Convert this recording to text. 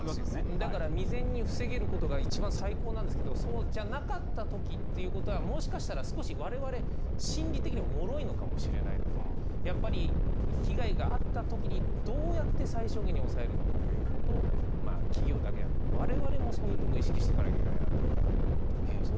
だから未然に防げることが一番最高なんですけど、そうじゃなかったときっていうことはもしかしたら少し、われわれ心理的にももろいのかもしれないので被害があったときに、どうやって最小限に抑えるのかということを企業だけじゃなくてわれわれも、そういうところを意識してかなきゃいけないなと本当に思いました。